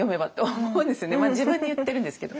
自分に言ってるんですけど。